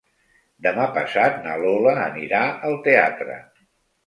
Demà passat na Lola anirà al teatre.